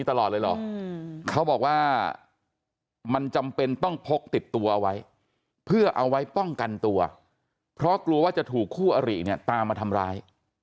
ต้องพกติดตัวไว้เพื่อเอาไว้ป้องกันตัวเพราะกลัวว่าจะถูกคู่อาริย์เนี่ยตามมาทำร้าย